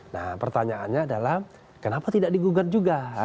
nah pertanyaannya adalah kenapa tidak digugat juga